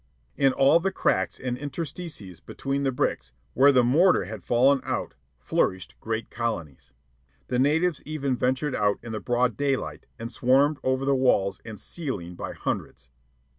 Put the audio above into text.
In all the cracks and interstices between the bricks where the mortar had fallen out flourished great colonies. The natives even ventured out in the broad daylight and swarmed over the walls and ceiling by hundreds.